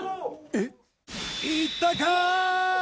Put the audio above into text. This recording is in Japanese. えっ！？いったか！？